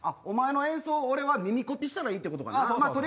お前の演奏を俺は耳コピしたらいいってことかな。